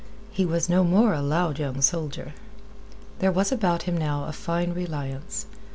He was no more a loud young soldier. There was about him now a fine reliance.